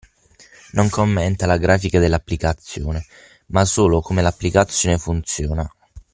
Non commenta la grafica dell’applicazione ma solo come l’applicazione funziona.